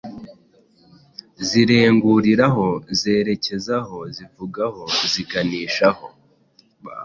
Zirenguriraho: Zerekezaho, zivugaho, ziganishaho